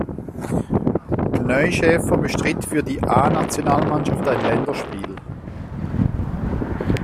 Neuschäfer bestritt für die A-Nationalmannschaft ein Länderspiel.